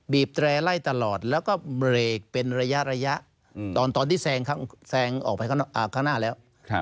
แตร่ไล่ตลอดแล้วก็เบรกเป็นระยะตอนที่แซงออกไปข้างหน้าแล้ว